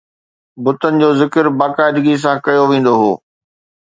بتن جو ذڪر باقاعدگي سان ڪيو ويندو هو